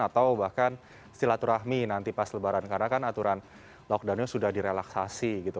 atau bahkan stilaturahmi nanti pas lebaran karena kan aturan lockdown nya sudah direlaksasi gitu